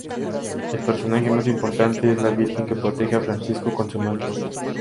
El personaje más importante es la Virgen, que protege a Francisco con su manto.